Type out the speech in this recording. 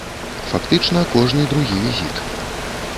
Фактычна, кожны другі візіт.